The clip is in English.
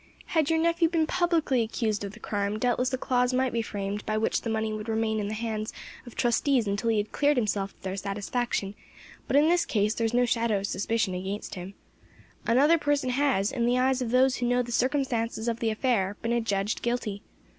"Had your nephew been publicly accused of the crime, doubtless a clause might be framed by which the money would remain in the hands of trustees until he had cleared himself to their satisfaction; but in this case there is no shadow of suspicion against him. Another person has, in the eyes of those who know the circumstances of the affair, been adjudged guilty.